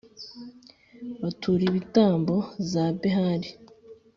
batura ibitambo za Behali,